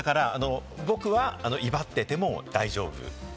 だから僕は威張ってても大丈夫。